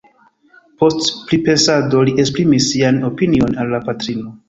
Post pripensado li esprimis sian opinion al la patrino.